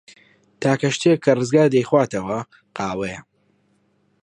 تاکە شتێک کە ڕزگار دەیخواتەوە، قاوەیە.